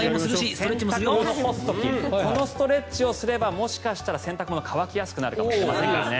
洗濯物を干す時このストレッチをしたらもしかしたら洗濯物が乾きやすくなるかもしれませんからね。